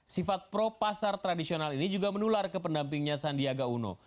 sifat pro pasar tradisional ini juga menular ke pendampingnya sandiaga uno